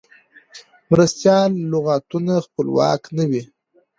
مرستیال لغتونه خپلواک نه دي.